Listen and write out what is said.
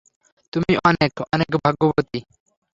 তুমি অনেক, অনেক ভাগ্যবতী।